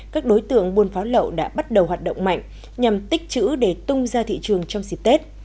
các đối tượng buôn pháo lậu đã bắt đầu hoạt động mạnh nhằm tích chữ để tung ra thị trường trong dịp tết